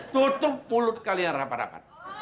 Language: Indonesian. tutup mulut kalian rapat